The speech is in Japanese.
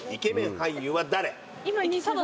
俳優は誰？